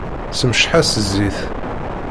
Ssemceḥ-as zzit.